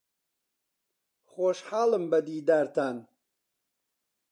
خۆشحاڵم بە دیدارتان.